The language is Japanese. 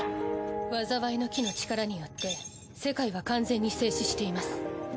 災いの樹の力によって世界は完全に静止しています。